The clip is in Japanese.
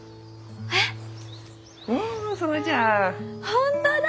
本当だ！